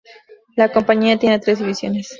La compañía tiene tres divisiones.